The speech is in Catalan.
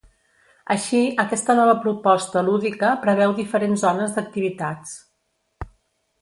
Així, aquesta nova proposta lúdica preveu diferents zones d’activitats.